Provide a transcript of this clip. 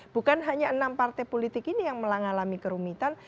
bukan hanya enam partai politik ini yang mengalami kerumitan